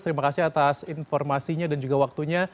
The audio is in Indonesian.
terima kasih atas informasinya dan juga waktunya